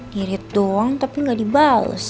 dirit doang tapi gak dibalas